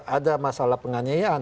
ada masalah penganyian